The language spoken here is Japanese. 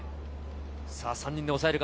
３人で抑えるか？